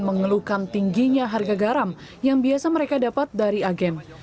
mengeluhkan tingginya harga garam yang biasa mereka dapat dari agen